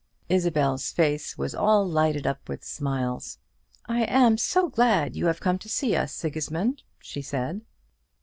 Isabel's face was all lighted up with smiles. "I am so glad you have come to see us, Sigismund," she said.